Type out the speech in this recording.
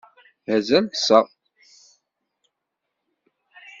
Mazal ṭṭseɣ.